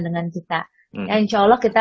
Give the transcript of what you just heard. dengan kita ya insya allah kita